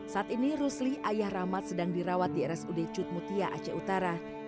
saat ini rusli ayah rahmat sedang dirawat di rsud cutmutia aceh utara